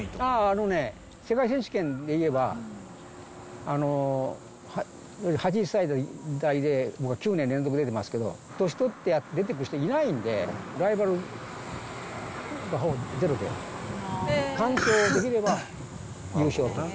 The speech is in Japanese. あのね、世界選手権でいえば、８０歳台で僕は９年連続出てますけど、年取って出てくる人いないんで、ライバルがほぼゼロで、完走できれば優勝。